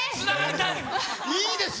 いいですね。